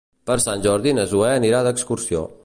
Per Sant Jordi na Zoè anirà d'excursió.